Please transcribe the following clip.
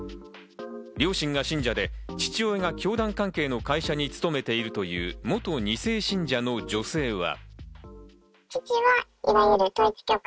両親が信者で父親が教団関係の会社に勤めているという元２世信者の女性は。